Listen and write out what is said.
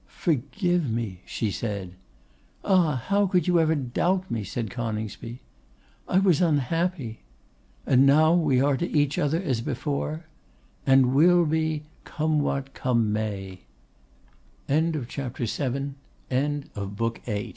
'Forgive me!' she said. 'Ah! how could you ever doubt me?' said Coningsby. 'I was unhappy.' 'And now we are to each other as before?' 'And will be, come what come may.' END OF BOOK VIII. BOOK IX. CHAPTER I.